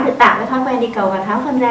được tạo cái thói quen đi cầu và tháo phân ra